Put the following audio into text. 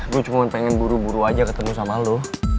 gue cuma pengen buru buru aja ketemu sama lo